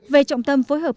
về trọng tâm phối hợp